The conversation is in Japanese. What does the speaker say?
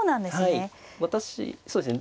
はいそうですね